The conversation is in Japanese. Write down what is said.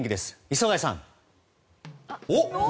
磯貝さん。